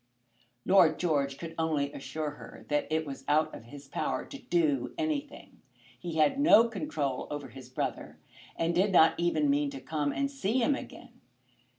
Lord George could only assure her that it was out of his power to do anything. He had no control over his brother, and did not even mean to come and see him again.